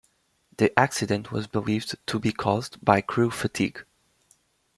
The accident was believed to be caused by crew fatigue.